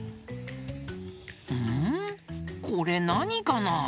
んこれなにかな？